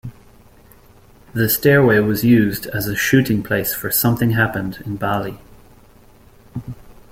The stairway was used as a shooting place for Something Happened in Bali.